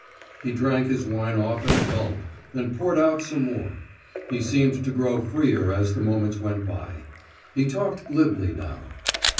He drank his wine off at a gulp, and poured out some more. He seemed to grow freer as the moments went by; he talked glibly now.